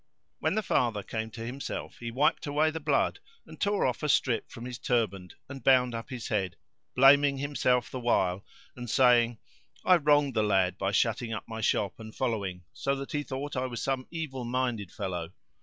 When the father came to himself he wiped away the blood and tore off a strip from his turband and bound up his head, blaming himself the while, and saying, "I wronged the lad by shutting up my shop and following, so that he thought I was some evil minded fellow."